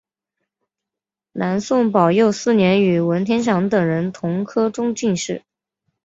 南宋宝佑四年与文天祥等人同科中进士。